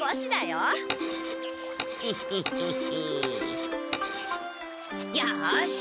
よし！